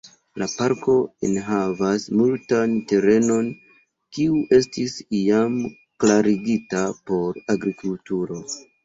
La parko enhavas multan terenon kiu estis iam klarigita por agrikulturo.